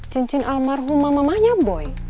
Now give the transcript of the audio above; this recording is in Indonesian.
cincin almarhumah mamahnya boy